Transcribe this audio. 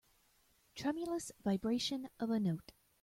Tremulous vibration of a note.